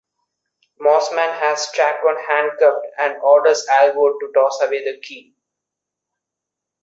Mossman has Chacon handcuffed and orders Alvord to toss away the key.